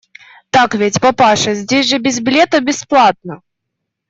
Так ведь, папаша, здесь же без билета, бесплатно!